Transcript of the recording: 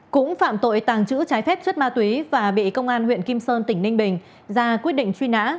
cũng phạm tội tàng trữ trái phép chất ma túy và bị công an huyện kim sơn tỉnh ninh bình ra quyết định truy nã